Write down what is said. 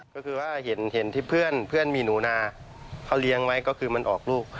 ก็คือว่าเห็นที่เพื่อนมีหนูนาเขาเลี้ยงไว้ก็คือมันออกลูก